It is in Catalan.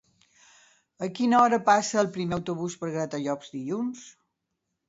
A quina hora passa el primer autobús per Gratallops dilluns?